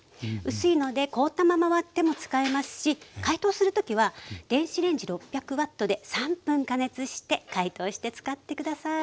薄いので凍ったまま割っても使えますし解凍する時は電子レンジ６００Ｗで３分加熱して解凍して使って下さい。